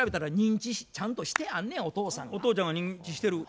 お父ちゃんは認知してる。